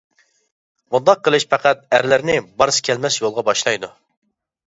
بۇنداق قىلىش پەقەت ئەرلەرنى بارسا كەلمەس يولغا باشلايدۇ.